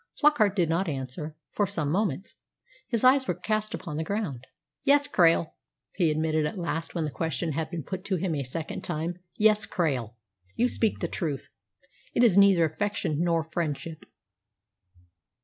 Flockart did not answer for some moments. His eyes were cast upon the ground. "Yes, Krail," he admitted at last when the question had been put to him a second time "yes, Krail. You speak the truth. It is neither affection nor friendship."